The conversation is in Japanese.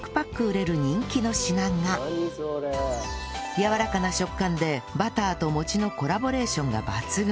やわらかな食感でバターと餅のコラボレーションが抜群！